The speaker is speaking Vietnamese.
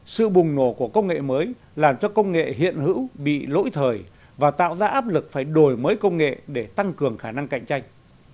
sự bùng nổ của công nghệ mới làm cho công nghệ hiện hữu bị lỗi thời và tạo ra áp lực phải đổi mới công nghệ để tăng cường khả năng cạnh tranh